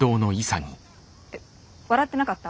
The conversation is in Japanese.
笑ってなかった？